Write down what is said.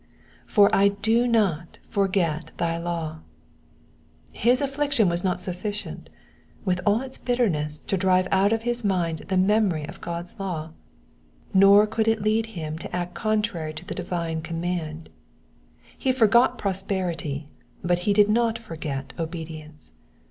""For I do not forget thy law^ His afiliction was not sufficient, with all its bitterness, to drive out of his mind the memory of God's law; nor could it lead him to act contrary to the divine command. He forgot prosperity, but he did not forget obedience.